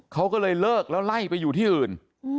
เขาก็เลยเลิกแล้วไล่ไปอยู่ที่อื่น